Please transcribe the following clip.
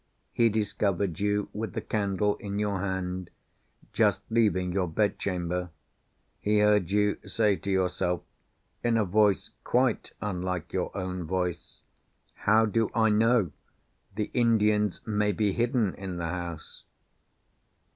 He discovered you with the candle in your hand, just leaving your bedchamber. He heard you say to yourself, in a voice quite unlike your own voice, "How do I know? The Indians may be hidden in the house."